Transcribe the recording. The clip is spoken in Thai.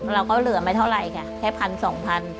เราก็เหลือไม่เท่าไหร่ค่ะแค่พันสองพัน